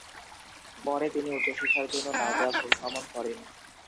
পরে তিনি উচ্চশিক্ষার জন্য নাজাফ ভ্রমণ করেন।